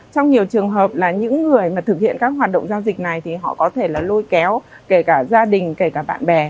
trong nhiều trường hợp là những người mà thực hiện các hoạt động giao dịch này thì họ có thể là lôi kéo kể cả gia đình kể cả bạn bè